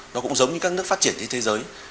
nó cũng giống như các nước phát triển trên thế giới